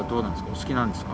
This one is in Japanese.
お好きなんですか？